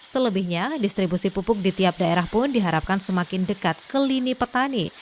selebihnya distribusi pupuk di tiap daerah pun diharapkan semakin dekat ke lini petani